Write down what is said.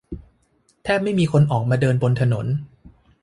แทบไม่มีคนออกมาเดินบนถนน